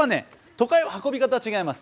都会は運び方が違います。